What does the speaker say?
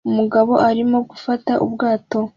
Umugabo arimo gufata ubwato